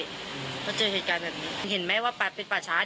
เพราะเจอเหตุการณ์แบบนี้เห็นไหมว่าปราสาทเนี้ย